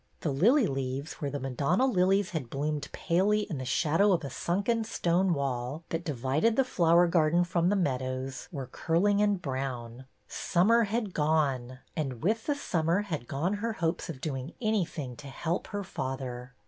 The lily leaves, where the Madonna lilies had bloomed palely in the shadow of a sunken stone wall that divided the flower garden from the meadows, were curling and brown. Summer had gone ! And with the summer had gone her hopes of doing anything to help her father.